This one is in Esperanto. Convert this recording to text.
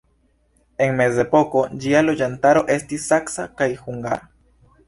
En mezepoko ĝia loĝantaro estis saksa kaj hungara.